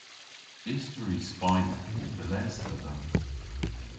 Istori spaynek yw dhe les dhedha.